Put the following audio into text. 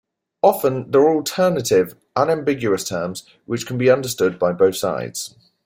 Often there are alternative, unambiguous terms which can be understood by both sides.